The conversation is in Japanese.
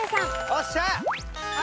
おっしゃあ！